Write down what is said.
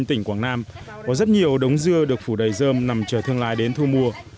tỉnh quảng nam có rất nhiều đống dưa được phủ đầy dơm nằm chờ thương lái đến thu mua